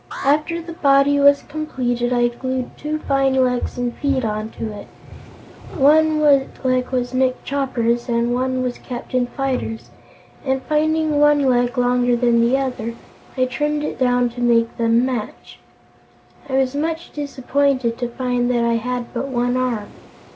After the body was completed, I glued two fine legs and feet onto it. One leg was Nick Chopper's and one was Captain Fyter's and, finding one leg longer than the other, I trimmed it down to make them match. I was much disappointed to find that I had but one arm.